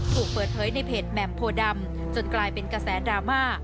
ถูกเปิดเผยในเพจแหม่มโพดำจนกลายเป็นกระแสดราม่า